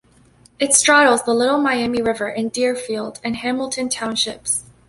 It straddles the Little Miami River in Deerfield and Hamilton Townships.